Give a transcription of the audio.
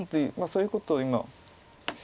そういうことを今。